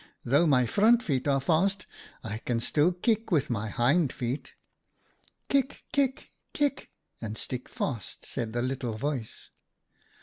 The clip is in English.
' Though my front feet are fast, I can still kick with my hind feet.' "' Kick, kick, kick, and stick fast,' said the little voice.